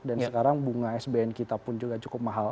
dan sekarang bunga sbn kita pun juga cukup mahal